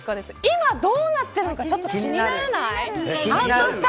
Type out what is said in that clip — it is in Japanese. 今、どうなってるのか気にならない。